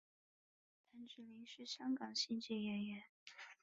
谭芷翎是香港戏剧演员。